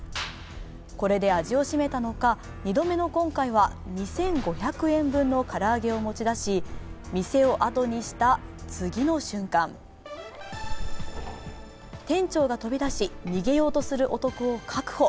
これで味をしめたのか２度目の今回は２５００円分の唐揚げを持ち出し店をあとにした次の瞬間、店長が飛び出し逃げようとする男を確保。